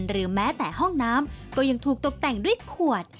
หรือแม้แต่ห้องน้ำก็ยังถูกตกแต่งด้วยขวด